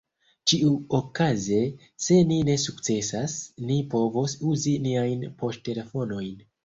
Ĉiuokaze, se ni ne sukcesas, ni povos uzi niajn poŝtelefonojn.